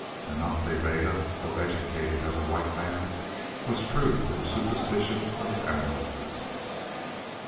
And Nas Ta Bega, though educated as a white man, was true to the superstition of his ancestors.